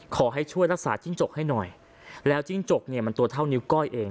ขอให้ช่วยรักษาจิ้งจกให้หน่อยแล้วจิ้งจกเนี่ยมันตัวเท่านิ้วก้อยเอง